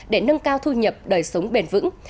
để nâng cao thu nhập đời sống bền vững